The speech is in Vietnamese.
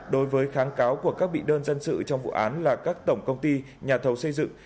đối với kháng cáo của các bị đơn dân sự trong vụ án là các tổng công ty nhà thầu xây dựng